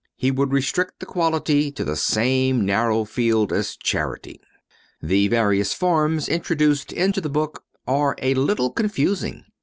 He would restrict the quality to the same narrow field as charity. The various forms introduced into the book are a little confusing.